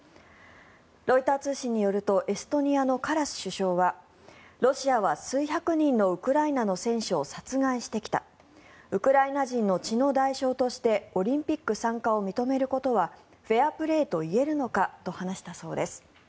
ロイター通信によるとエストニアのカラス首相はロシアは数百人のウクライナの選手を殺害してきたウクライナ人の血の代償としてオリンピック参加を認めることはフェアプレーといえるのかと話したそうです。